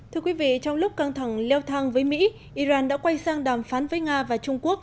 thưa quý vị trong lúc căng thẳng leo thang với mỹ iran đã quay sang đàm phán với nga và trung quốc